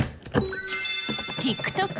ＴｉｋＴｏｋ